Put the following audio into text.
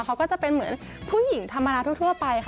เขาก็จะเป็นผู้หญิงธรรมดาทั่วไป